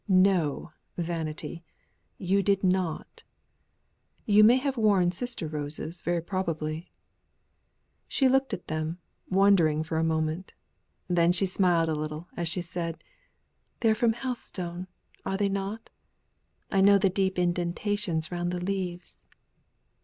"No! Vanity; you did not. You may have worn sister roses very probably." She looked at them, wondering for a minute, then she smiled a little as she said "They are from Helstone, are they not? I know the deep indentations round the leaves.